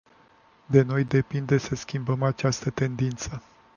De noi depinde să schimbăm această tendință.